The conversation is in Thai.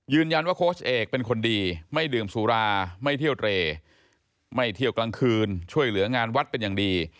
โค้ชเอกเป็นคนดีไม่ดื่มสุราไม่เที่ยวเตรไม่เที่ยวกลางคืนช่วยเหลืองานวัดเป็นอย่างดี